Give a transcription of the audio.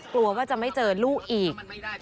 กลัวว่าจะไม่เจอลูกอีก